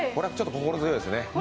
心強いですね